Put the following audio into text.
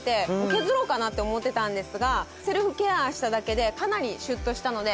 削ろうかなって思ってたんですがセルフケアしただけでかなりシュッとしたので。